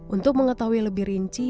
untuk mengetahui lebih rinci